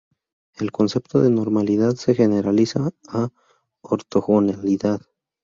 El concepto de normalidad se generaliza a ortogonalidad.